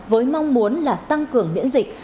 với mong muốn là tăng cường miễn dịch